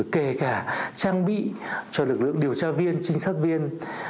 kể cả trang bị cho lực lượng điều tra viên chính xác viên